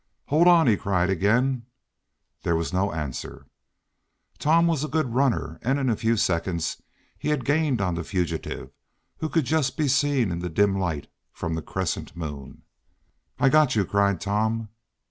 "Hold on!" he cried again. There was no answer. Tom was a good runner, and in a few seconds he had gained on the fugitive, who could just be seen in the dim light from the crescent moon. "I've got you!" cried Tom.